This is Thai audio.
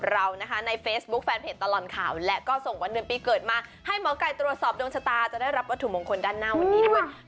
ให้หมอกัยตรวจสอบดวงชะตาจะได้รับวัตถุมงคลด้านหน้าวันนี้นะคุณ